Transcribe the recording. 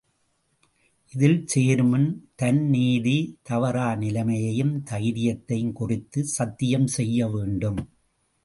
இதில் சேருமுன் தன் நீதி, தவறா நிலைமையையும், தைரியத்தையும் குறித்துச் சத்தியம் செய்யவேண்டும்.